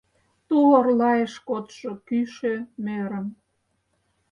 Ту орлаеш кодшо кӱшӧ мӧрым